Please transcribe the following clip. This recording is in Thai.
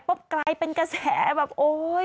กลายเป็นกระแสแบบโอ๊ย